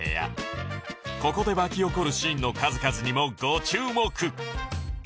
ここで巻き起こるシーンの数々にもご注目